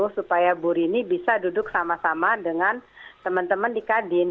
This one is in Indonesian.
supaya bu rini bisa duduk sama sama dengan teman teman di kadin